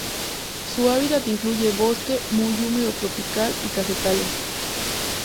Su hábitat incluye bosque muy húmedo tropical, y cafetales.